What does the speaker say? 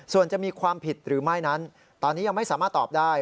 ส่วนจะมีความผิดหรือไม่นั้นตอนนี้ยังไม่สามารถตอบได้